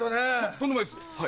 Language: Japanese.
とんでもないです。